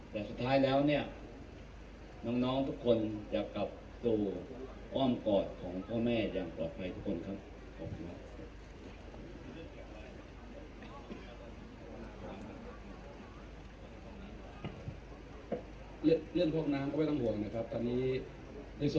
แต่สุดท้ายแล้วเนี่ยน้องทุกคนจะกลับสู่อ้อมกอดของพ่อแม่อย่างปลอดภัยทุกคนครับขอบคุณครับ